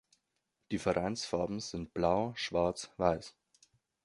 Die Vereinsfarben sind Blau, Schwarz, Weiß.